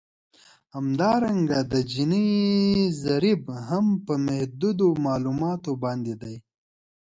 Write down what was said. همدارنګه د جیني ضریب هم پر محدودو معلوماتو باندې دی